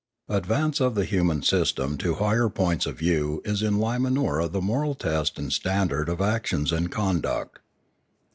Advance of the human system to higher points of view is in Limanora the moral test and standard of actions and conduct.